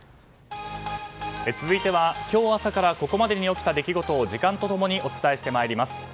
続いては、今日朝からここまでに起きた出来事を時間と共にお伝えします。